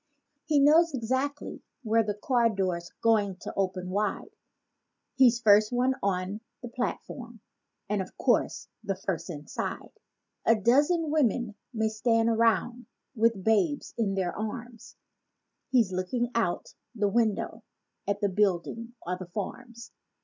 He knows exactly where the car door's going to open wide; He's first one on the platform, and of course the first inside. 46 A dozen women may stand round with babies in their arms— He's looking out the window at the buildings or the farms.